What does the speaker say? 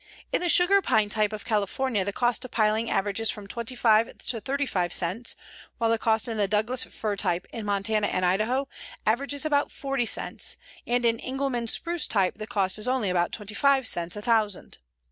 In the sugar pine type of California the cost of piling averages from 25 to 35 cents, while the cost in the Douglas fir type, in Montana and Idaho, averages about 40 cents, and in Engelmann spruce type the cost is only about 25 cents a thousand.